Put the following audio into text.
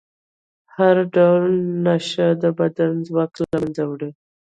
هر ډول نشه د بدن ځواک له منځه وړي.